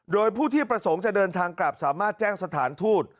โดยผู้ที่ประสงค์จะเดินทางกลับสามารถแจ้งสถานทูต